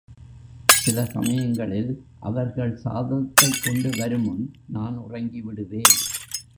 சில சமயங்களில் அவர்கள் சாதத்தைக் கொண்டு வருமுன் நான் உறங்கி விடுவேன்.